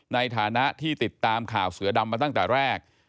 ในฐานะที่ติดตามข่าวเสือดำมาตั้งแต่แรก